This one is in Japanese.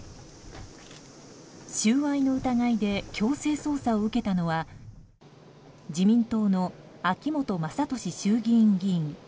収賄の疑いで強制捜査を受けたのは自民党の秋本真利衆議院議員。